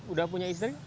udah punya istri